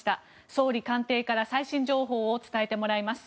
総理官邸から最新情報を伝えてもらいます。